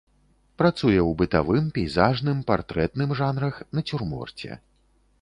Працуе ў бытавым, пейзажным, партрэтным жанрах, нацюрморце.